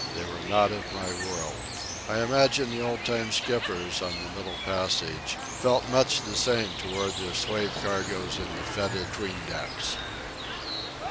They were not of my world. I imagine the old time skippers, on the middle passage, felt much the same toward their slave cargoes in the fetid 'tween decks.